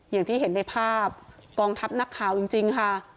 อย่างที่เห็นในภาพกองทัพนักข่าวจริงค่ะ